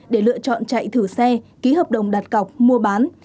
để lựa chọn chạy thử xe ký hợp đồng đặt cọc mua bán